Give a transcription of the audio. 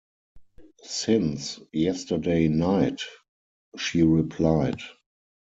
“Since yesterday night,” she replied.